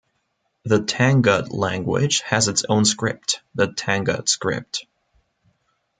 The Tangut language has its own script, the Tangut script.